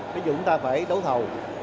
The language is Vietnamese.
ví dụ chúng ta phải đấu thầu